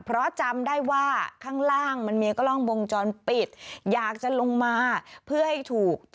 เพราะจำได้ว่าข้างล่างมันมีกล้องวงจรปิดอยากจะลงมาเพื่อให้ถูก